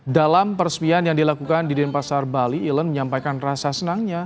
dalam peresmian yang dilakukan di denpasar bali elon menyampaikan rasa senangnya